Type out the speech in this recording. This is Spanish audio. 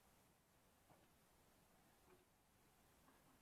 En el centro se están llevando a cabo numerosos proyectos.